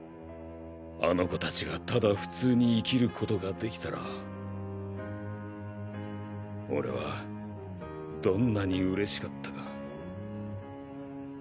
あの子たちがただ普通に生きることができたら俺はどんなに嬉しかったか。